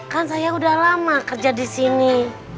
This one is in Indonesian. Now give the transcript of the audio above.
kan saya udah lama kerja disini